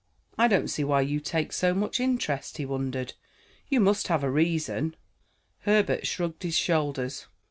"I don't see why you take so much interest," he wondered. "You must have a reason." Herbert shrugged his shoulders.